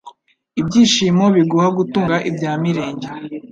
Ibyishimo biguha gutunga ibya mirenge